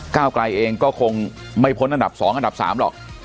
ก้าวกลายเองก็คงไม่พ้นอันดับสองอันดับสามหรอก